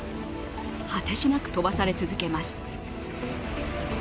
果てしなく飛ばされ続けます。